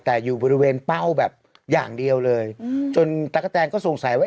แต่อยู่บริเวณเป้าแบบอย่างเดียวเลยจนตะกะแตนก็สงสัยว่า